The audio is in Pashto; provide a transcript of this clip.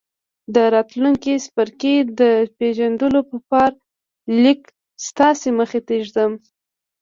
د راتلونکي څپرکي د پېژندلو په پار ليک ستاسې مخې ته ږدم.